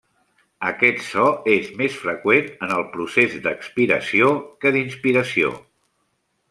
Aquest so és més freqüent en el procés d'expiració que d'inspiració.